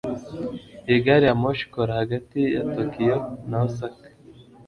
Iyi gari ya moshi ikora hagati ya Tokiyo na Osaka.